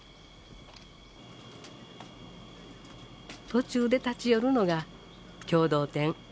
途中で立ち寄るのが共同店。